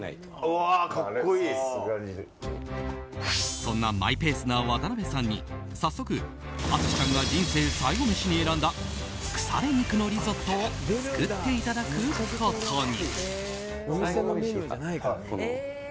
そんなマイペースな渡辺さんに早速、淳さんが人生最後メシに選んだ腐れ肉のリゾットを作っていただくことに。